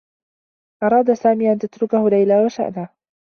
أراد سامي أن تتركه ليلى و شأنه.